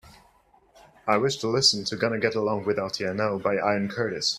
I wish to listen to Gonna Get Along Without Ya Now by Ian Curtis.